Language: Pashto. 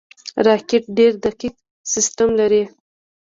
راکټ ډېر دقیق سیستم لري